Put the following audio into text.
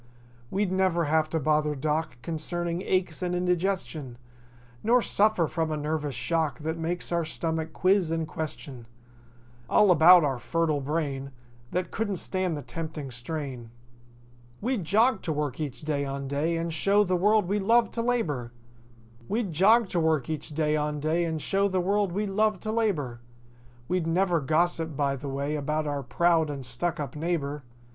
We'd never have to bother Doc Concerning aches and indigestion; Nor suffer from a nervous shock That makes our stomach quiz and question All about our fertile (?) brain That couldn't stand the tempting strain. We'd jog to work each day on day And show the world we love to labor. We'd never gossip by the way About our proud and stuckup neighbor.